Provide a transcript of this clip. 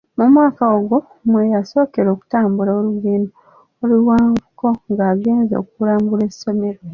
Mu mwaka ogwo mwe yasookera okutambula olugendo oluwanvuko ng'agenze okulambula essomero.